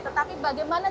tetapi bagaimana ceritanya